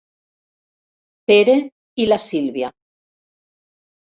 Pere i la Sílvia.